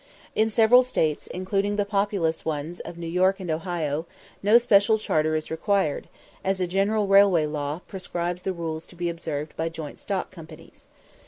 In several States, including the populous ones of New York and Ohio, no special charter is required, as a general railway law prescribes the rules to be observed by joint stock companies.